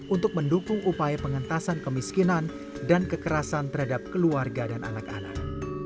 untuk mendukung upaya pengentasan kemiskinan dan kekerasan terhadap keluarga dan anak anak